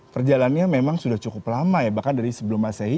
perjalannya memang sudah cukup lama ya bahkan dari sebelum masehi